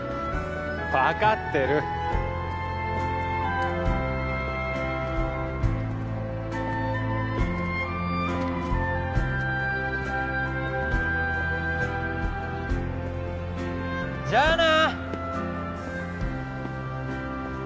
分かってるじゃあな！